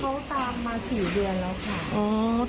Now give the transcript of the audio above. เขาตามมา๔เดือนแล้วค่ะ